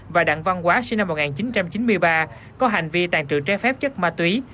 và đặng văn quá sinh năm một nghìn chín trăm chín mươi ba có hành vi tàn trự trái phép chất ma túy